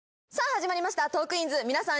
始まりました『トークィーンズ』皆さん